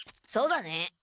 そうだね。